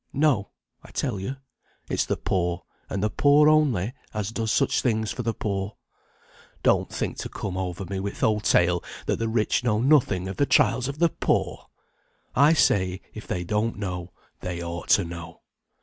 No, I tell you, it's the poor, and the poor only, as does such things for the poor. Don't think to come over me with th' old tale, that the rich know nothing of the trials of the poor. I say, if they don't know, they ought to know.